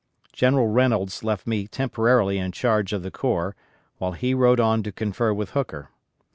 General Reynolds left me temporarily in charge of the corps, while he rode on to confer with Hooker.